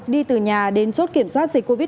đi từ nhà đến chốt kiểm soát dịch covid một mươi